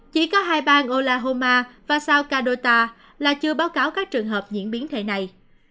chỉ có hai bang oklahoma và south dakota là chưa báo cáo các trường hợp nhiễm biến thể này